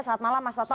selamat malam mas soto